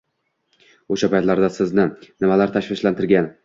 o‘sha paytlarda sizni nimalar tashvishlantirgan